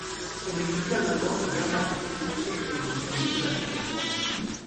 El edificio albergó ya más recientemente el Ayuntamiento de la localidad.